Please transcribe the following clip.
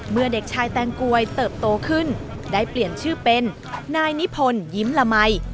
เด็กชายแตงกวยเติบโตขึ้นได้เปลี่ยนชื่อเป็นนายนิพนธ์ยิ้มละมัย